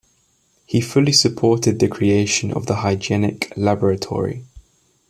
He fully supported the creation of the Hygienic Laboratory.